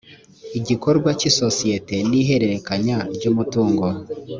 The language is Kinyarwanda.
igikorwa cy isosiyete n ihererekanya ry umutungo